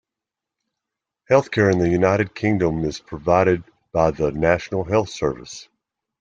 Healthcare in the United Kingdom is provided by the National Health Service